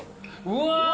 うわ！